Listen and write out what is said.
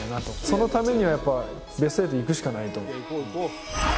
そのためにはやっぱベスト８にいくしかないと思います。